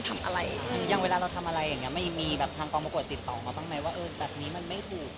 มันไม่ถูกนะ